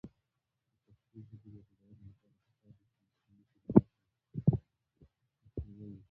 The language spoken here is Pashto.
د پښتو ژبې د بډاینې لپاره پکار ده چې مصنوعي کلمات مخنیوی شي.